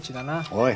おい。